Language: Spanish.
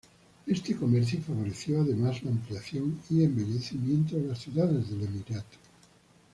Este comercio favoreció además la ampliación y embellecimiento de las ciudades del emirato.